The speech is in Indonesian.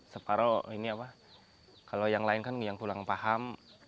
separoh ini apa kalau yang lain kan yang kurang paham